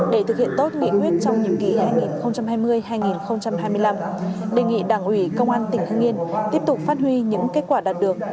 để thực hiện tốt nghị quyết trong nhiệm kỳ hai nghìn hai mươi hai nghìn hai mươi năm đề nghị đảng ủy công an tỉnh hưng yên tiếp tục phát huy những kết quả đạt được